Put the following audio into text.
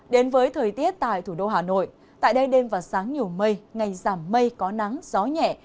đến với thời tiết tại thủ đô hà nội tại đây đêm và sáng nhiều mây ngày giảm mây có nắng gió nhẹ